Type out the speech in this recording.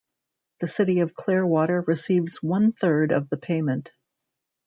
The City of Clearwater receives one-third of the payment.